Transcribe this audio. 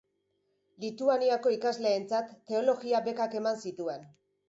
Lituaniako ikasleentzat teologia bekak eman zituen.